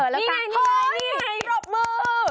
นี่ไงนี่ไงจะบอกทุกมือ